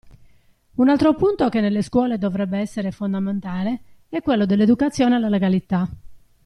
Un altro punto che nelle scuole dovrebbe essere fondamentale è quello dell'educazione alla legalità.